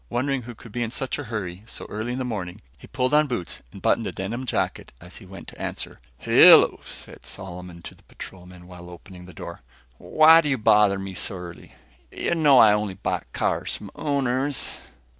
Wondering who could be in such a hurry, so early in the morning, he pulled on boots and buttoned a denim jacket as he went to answer. "Hello," said Solomon to the patrolman, while opening the door. "Why you bother me so early? You know I only buy cars from owners."